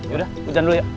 yaudah hujan dulu ya